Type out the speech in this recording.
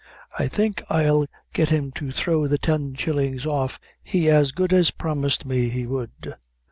"I think I'll get him to throw the ten shillings off he as good as promised me he would."